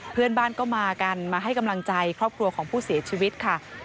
เพื่อนบ้านก็มากันมาให้กำลังใจครอบครัวของผู้เสียชีวิตค่ะ